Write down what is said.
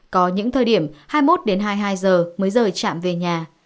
có những thời điểm hai mươi một đến hai mươi hai giờ mới rời trạm về nhà